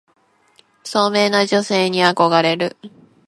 聡明な女性に憧れる